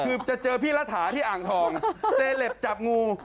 คือจะเจอพี่รัฐาที่อ่างทองเซเลปจับงู